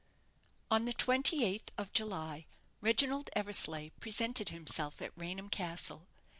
On the 28th of July, Reginald Eversleigh presented himself at Raynham Castle.